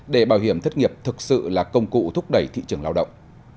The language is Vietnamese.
để bảo hiểm thất nghiệp thực sự là công cụ thúc đẩy thị trường lao động